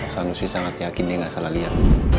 pak sanusi sangat yakin dia gak salah liat